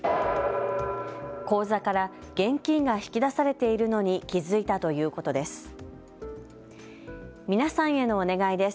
口座から現金が引き出されているのに気付いたということです。